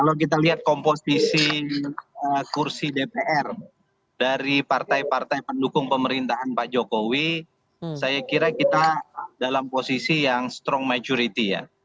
kalau kita lihat komposisi kursi dpr dari partai partai pendukung pemerintahan pak jokowi saya kira kita dalam posisi yang strong majority ya